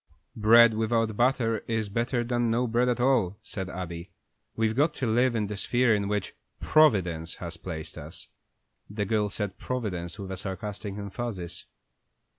"Bread without butter is better than no bread at all," said Abby. "We've got to live in the sphere in which Providence has placed us." The girl said "Providence" with a sarcastic emphasis.